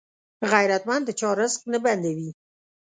غیرتمند د چا رزق نه بندوي